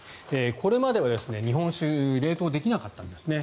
これまでは日本酒冷凍できなかったんですね。